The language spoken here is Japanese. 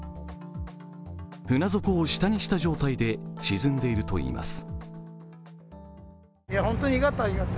船底を下にした状態で沈んでいるといいます。